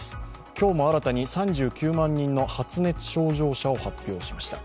今日も新たに３９万人の発熱症状者を発表しました。